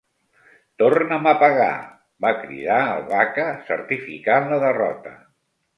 Tornem a pagar! —va cridar el Vaca, certificant la derrota.